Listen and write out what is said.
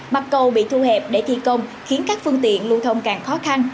mặt cầu bị thu hẹp để thi công khiến các phương tiện lưu thông càng khó khăn